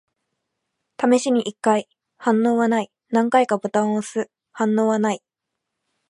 試しに一回。反応はない。何回かボタンを押す。反応はない。